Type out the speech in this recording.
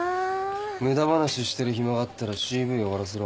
無駄話してる暇があったらＣＶ終わらせろ。